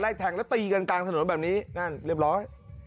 แทงแล้วตีกันกลางถนนแบบนี้นั่นเรียบร้อย